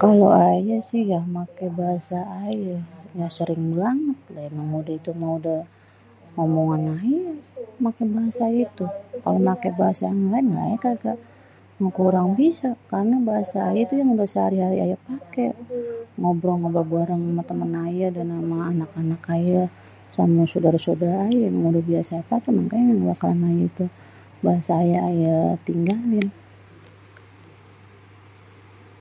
Kalo ayé si yah make bahasa ayé, ya sering banget yang udeh itu meh omongan ayé maké bahasa itu kalo maké bahasa yang laen ya kaga. Ya kurang bisa karne bahasa ayé tuh emang bahasa sehari-hari yang ayé pake. Ngobrol bareng-bareng temen ayé amé anak-anak ayé sama sodare-sodare ayé, emang udeh biase ayé pake mangkanye ilokan itu bahase ayé tinggalin.